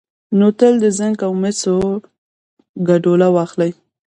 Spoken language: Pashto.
نو تل د زېنک او مسو ګډوله واخلئ،